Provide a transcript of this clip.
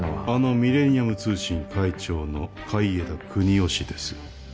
あのミレニアム通信会長の海江田国男氏です。